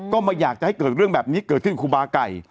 ก็ไม่อยากจะให้เกิดเรื่องแบบนี้เกิดขึ้นครูบาไก่